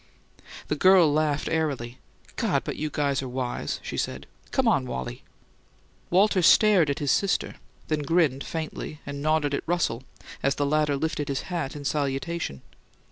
The girl laughed airily. "God, but you guys are wise!" she said. "Come on, Wallie." Walter stared at his sister; then grinned faintly, and nodded at Russell as the latter lifted his hat in salutation.